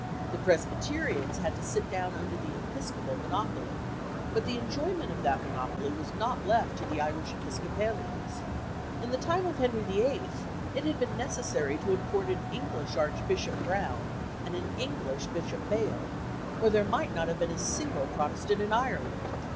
The Presbyterians had to sit down under the Episcopal monopoly; but the enjoyment of that monopoly was not left to the Irish Episcopalians. In the time of Henry VIII. it had been necessary to import an English Archbishop Browne and an English Bishop Bale, or there might not have been a single Protestant in Ireland.